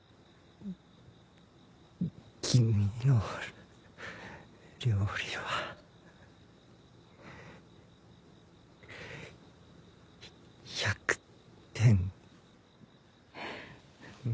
君の料理は１００点。